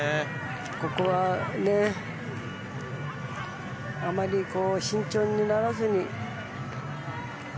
ここはあまり慎重にならずに。